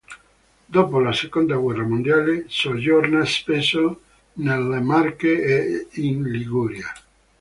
Dopo la Seconda guerra mondiale soggiorna spesso nelle Marche e in Liguria.